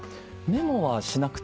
メモはしなくて。